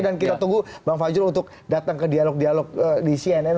dan kita tunggu bang fajro untuk datang ke dialog dialog di cnn